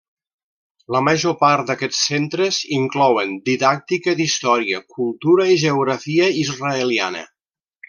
La major part d'aquests centres inclouen didàctica d'història, cultura i geografia israeliana.